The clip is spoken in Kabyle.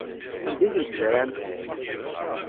Anda ay ten-tzerɛemt?